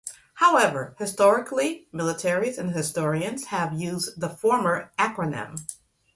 However, historically, militaries and historians have used the former acronym.